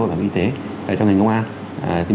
bảo hiểm y tế cho ngành công an